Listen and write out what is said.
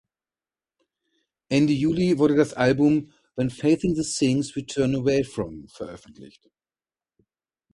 Ende Juli wurde das Album "When Facing the Things We Turn Away From" veröffentlicht.